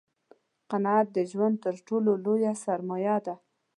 قناعت دژوند تر ټولو لویه سرمایه ده